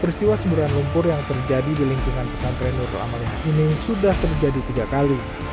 peristiwa semburan lumpur yang terjadi di lingkungan pesantren nurul amarudin ini sudah terjadi tiga kali